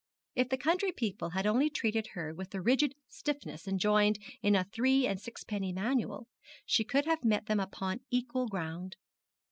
If the county people had only treated her with the rigid stiffness enjoined in a three and sixpenny manual, she could have met them upon equal ground.